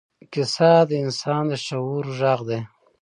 کیسه د انسان د شعور غږ دی.